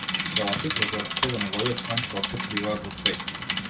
Собата и прозорците во неговиот стан просто пливаат во цвеќе.